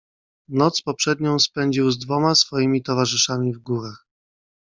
"Noc poprzednią spędził z dwoma swoimi towarzyszami w górach."